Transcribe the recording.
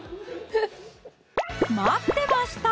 待ってました！